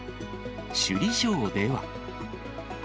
首里城では。